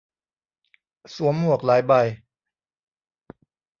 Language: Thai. สวมหมวกหลายใบ